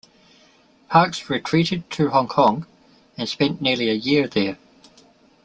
Parkes retreated to Hong Kong and spent nearly a year there.